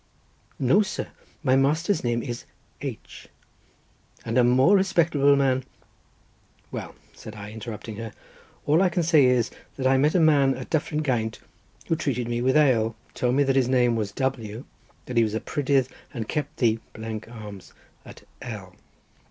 "No, sir, my master's name is H—, and a more respectable man—" "Well," said I, interrupting her, "all I can say is that I met a man in Dyffryn Gaint, who treated me with ale, told me that his name was W—, that he was a prydydd and kept the Arms at L—."